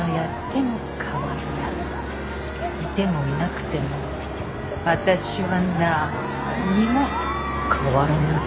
いてもいなくても私はなーんにも変わらない。